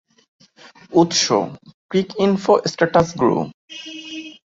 উৎস: ক্রিকইনফো স্ট্যাটসগুরু।